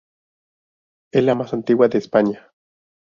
Es la más antigua de España.